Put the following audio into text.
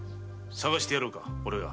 捜してやろうかオレが？